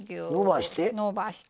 のばして。